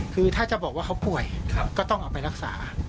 คือถ้าจะบอกว่าเขาป่วยก็ต้องเอาไปรักษา